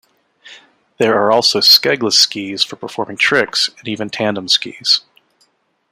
There are also skegless skis for performing tricks, and even tandem skis.